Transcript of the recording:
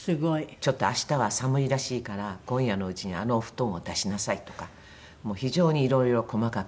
「ちょっと明日は寒いらしいから今夜のうちにあのお布団を出しなさい」とかもう非常にいろいろ細かく。